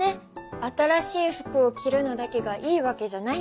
新しい服を着るのだけがいいわけじゃないんだね。